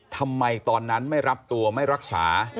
ทำไมตอนนั้นไม่รับตัวไม่รักษา